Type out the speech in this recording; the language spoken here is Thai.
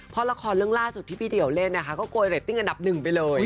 เพราะละครเรื่องล่าสุดที่พี่เดี่ยวเล่นนะคะก็โกยเรตติ้งอันดับหนึ่งไปเลย